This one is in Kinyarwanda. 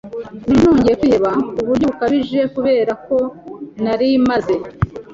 numva nongeye kwiheba ku buryo bukabije kubera ko nari maze